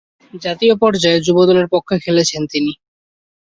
জাতীয় পর্যায়ে যুব দলের পক্ষে খেলেছেন তিনি।